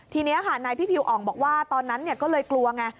ทีนี้ค่ะนายพิพิวอ่องบอกว่าตอนนั้นก็เลยกลัวไง